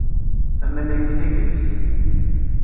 Aman-agi d agris.